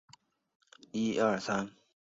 异鼷鹿科是一科已灭绝的偶蹄目。